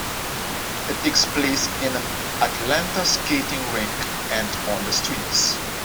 It takes place in an Atlanta skating rink and on the streets.